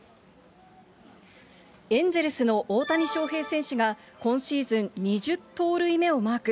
エンゼルスの大谷翔平選手が、今シーズン２０盗塁目をマーク。